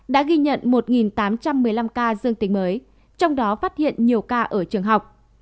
đã ghi nhận một tám trăm một mươi năm ca dương tính mới trong đó phát hiện nhiều ca ở trường học